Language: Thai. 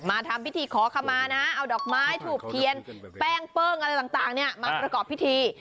ทำพิธีขอขมานะเอาดอกไม้ถูกเทียนแป้งเปิ้งอะไรต่างเนี่ยมาประกอบพิธี